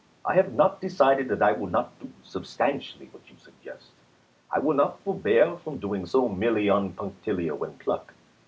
I have not decided that I will not do substantially what you suggest. I will not forbear from doing so merely on punctilio and pluck.